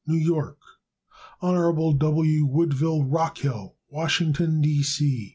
New York. Hon. W. Woodville Rockhill, Washington, D. C.